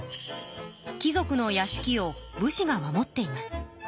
貴族のやしきを武士が守っています。